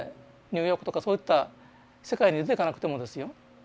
ニューヨークとかそういった世界に出て行かなくてもですよ